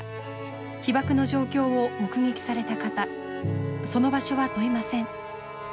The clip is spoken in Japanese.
被爆の状況を目撃された方その場所は問いません。